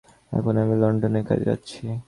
এখন আমি লণ্ডনের কাজে যাচ্ছি।